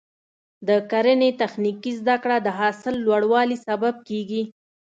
د کرنې تخنیکي زده کړه د حاصل لوړوالي سبب کېږي.